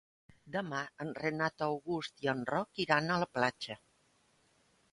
Demà en Renat August i en Roc iran a la platja.